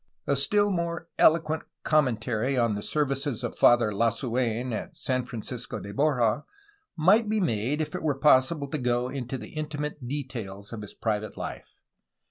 A still more eloquent commentary on the services of Father Lasuen at San Francisco de Borja might be made if it were possible to go into the intimate details of his private life.